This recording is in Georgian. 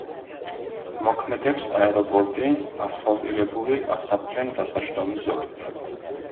მოქმედებს აეროპორტი ასფალტირებული ასაფრენ-დასაჯდომი ზოლით.